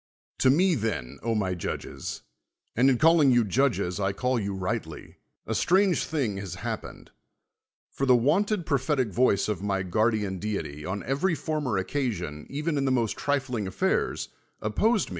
To me then, my judges, — and in calling you judges T call you rightly. — a strange thing has liappened. For lh(' wonti'd prophetic voice 84 SOCRATES of my guardian deity, on every foruu>r occasion, even in the most li'iiling affairs, opposed me.